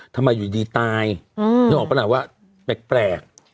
ทำไมอยู่ดีตายเพิ่งออกประหนักว่าแปลก